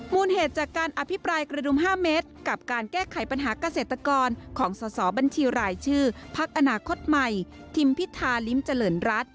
เหตุจากการอภิปรายกระดุม๕เมตรกับการแก้ไขปัญหาเกษตรกรของสสบัญชีรายชื่อพักอนาคตใหม่ทิมพิธาลิ้มเจริญรัฐ